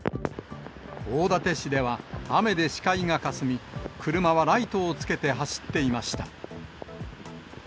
大館市では雨で視界がかすみ、車はライトをつけて走っていました。